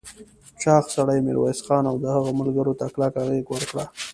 چاغ سړي ميرويس خان او د هغه ملګرو ته کلکه غېږ ورکړه.